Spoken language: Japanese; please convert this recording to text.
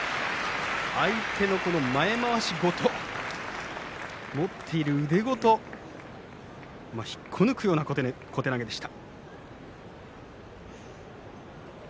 相手の前まわしごと持っている腕ごと引っこ抜くような小手投げでした。